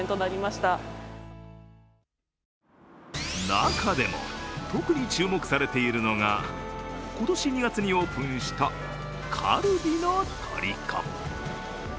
中でも特に注目されているのが今年２月にオープンしたかるびのとりこ。